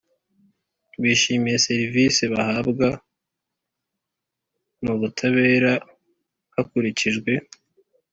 bishimiye serivisi bahabwa mu butabera hakurikijwe